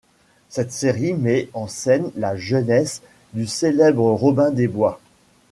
Cette série met en scène la jeunesse du célèbre Robin des Bois.